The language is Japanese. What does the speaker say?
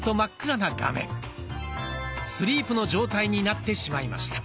スリープの状態になってしまいました。